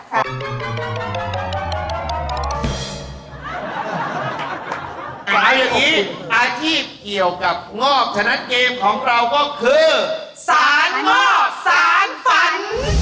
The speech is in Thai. ตอนนี้อาชีพเกี่ยวกับงอบชนะเกมของเราก็คือสานงอบสาหรณฝัน